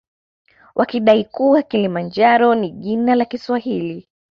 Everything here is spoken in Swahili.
Wakidai kuwa kilimanjaro ni jina la kiswahili